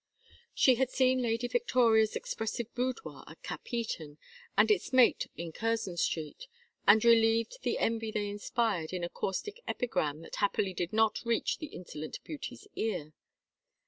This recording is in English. She had seen Lady Victoria's expressive boudoir at Capheaton, and its mate in Curzon Street, and relieved the envy they inspired in a caustic epigram that happily did not reach the insolent beauty's ear.